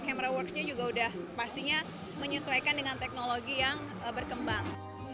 hammerworksnya juga udah pastinya menyesuaikan dengan teknologi yang berkembang